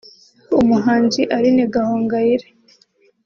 umuhanzi Aline Gahongayire